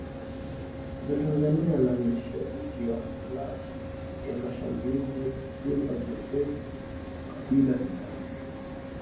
za Tanzania na ni shabiki wa klabu ya msimbazi Simba Joseph Kabila ni Rais